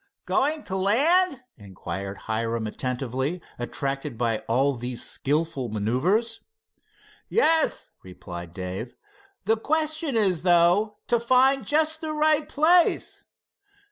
"Going to land?" inquired Hiram, attentively attracted by all these skillful maneuvers. "Yes," replied Dave. "The question is, though, to find just the right place."